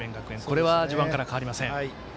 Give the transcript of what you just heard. これは序盤から変わりません。